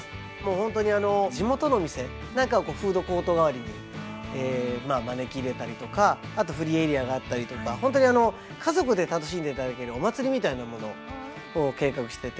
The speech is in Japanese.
本当に地元の店なんかをフードコート代わりに招き入れたりとかあとフリーエリアがあったりとか本当に家族で楽しんでいただけるお祭りみたいなものを計画してて。